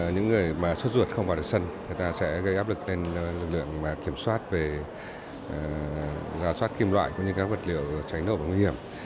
những người mà xuất ruột không vào được sân sẽ gây áp lực lên lực lượng kiểm soát về giả soát kim loại các vật liệu cháy nổ và nguy hiểm